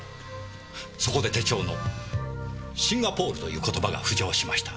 そこで手帳の「シンガポール」という言葉が浮上しました。